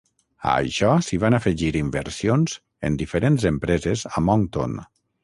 A això s'hi van afegir inversions en diferents empreses a Moncton.